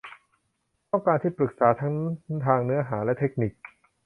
ต้องการที่ปรึกษาทั้งทางเนื้อหาและเทคนิค